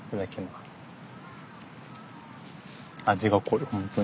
味が濃い本当に。